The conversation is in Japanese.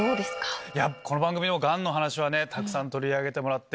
この番組がんの話はたくさん取り上げてもらって。